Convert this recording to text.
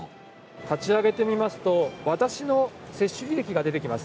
立ち上げてみますと、私の接種履歴が出てきます。